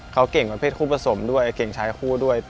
เขาเก่งประเภทคู่ผสมด้วยเก่งชายคู่ด้วย